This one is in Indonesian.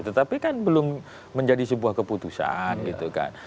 tetapi kan belum menjadi sebuah keputusan gitu kan